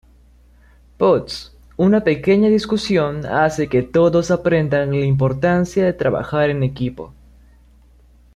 Potts, una pequeña discusión hace que todos aprendan la importancia de trabajar en equipo.